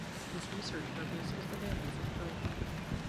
His research focus is the mammals of the Philippines.